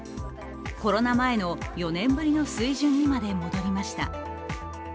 コロナ前の４年ぶりの水準にまで戻りました。